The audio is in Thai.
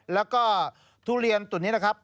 แล้วก็ทุเรียนตุ๋นนี้นะครับ